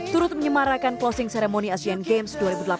turut menyemarakan closing ceremony asian games dua ribu delapan belas